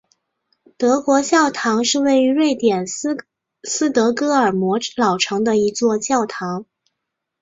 德国教堂是位于瑞典斯德哥尔摩老城的一座教堂。